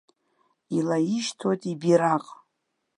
Илаишьҭуеит ибираҟ.